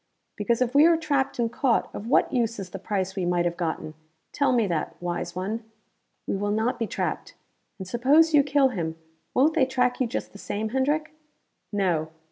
"Because if we are trapped and caught, of what use is the price we might have gotten? Tell me that, wise one?" "We will not be trapped. And suppose you kill him won't they track you just the same, Hendrick?" "No.